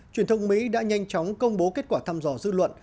truyền thông mỹ đã nhanh chóng công bố kết quả thăm dò dư luận